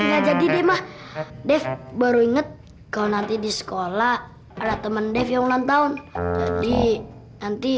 ya jadi mah baru inget kalau nanti di sekolah ada temen deviong lontron di nanti